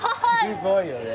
すごいよね。